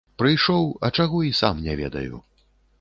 Прыйшоў, а чаго, і сам не ведаю.